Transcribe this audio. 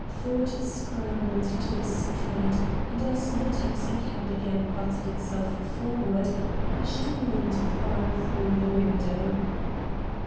Ford scrambled to the street, and as the taxicab again butted itself forward, Ashton leaned far through the window.